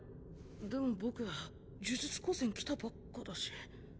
でも僕呪術高専来たばっかだし。